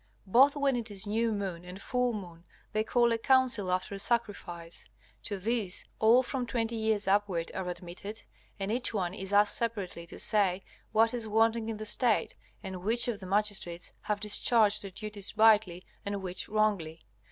Both when it is new moon and full moon they call a council after a sacrifice. To this all from twenty years upward are admitted, and each one is asked separately to say what is wanting in the State, and which of the magistrates have discharged their duties rightly and which wrongly.